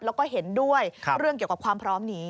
แล้วก็เห็นด้วยเรื่องเกี่ยวกับความพร้อมนี้